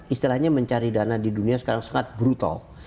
istilahnya mencari dana di dunia sekarang sangat brutal